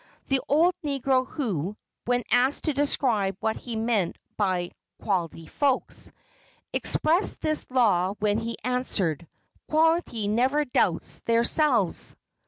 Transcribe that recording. The old negro who, when asked to describe what he meant by "quality folks," expressed this law when he answered, "Quality never doubts theirselves."